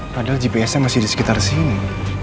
padahal gps nya masih di sekitar sini